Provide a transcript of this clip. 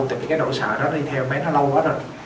tại vì cái độ sợ đó đi theo em bé nó lâu quá rồi